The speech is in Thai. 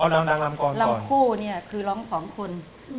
รำผู้คือร้องสองคน